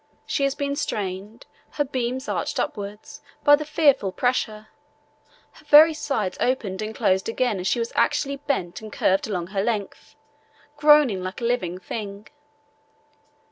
She has been strained, her beams arched upwards, by the fearful pressure; her very sides opened and closed again as she was actually bent and curved along her length, groaning like a living thing.